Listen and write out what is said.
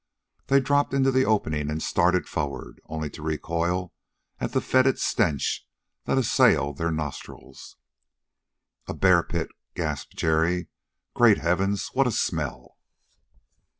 They dropped into the opening and started forward, only to recoil at the fetid stench that assailed their nostrils. "A bear pit," gasped Jerry. "Great Heavens! What a smell!"